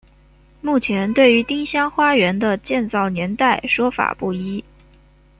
目前对于丁香花园的建造年代说法不一。